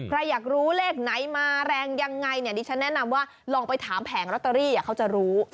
อยากรู้เลขไหนมาแรงยังไงเนี่ยดิฉันแนะนำว่าลองไปถามแผงลอตเตอรี่เขาจะรู้